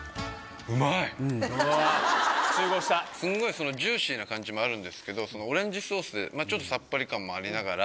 すんごいジューシーな感じもあるんですけどオレンジソースちょっとさっぱり感もありながら。